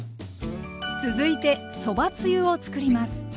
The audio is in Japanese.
続いてそばつゆを作ります。